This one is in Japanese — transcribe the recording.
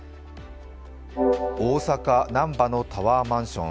大阪・難波のタワーマンション。